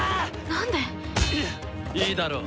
いいだろう。